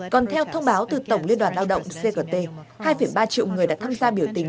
còn theo thông báo từ tổng liên đoàn lao động cgt hai ba triệu người đã tham gia biểu tình